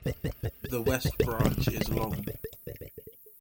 The West Branch is long.